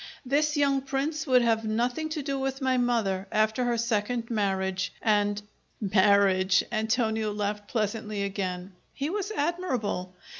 This young Prince would have nothing to do with my mother after her second marriage and " "Marriage!" Antonio laughed pleasantly again. He was admirable.